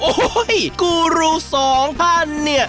โอ้โหกูรูสองท่านเนี่ย